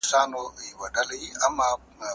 که هر څه د حکمت فالونه ګورې افلاطونه!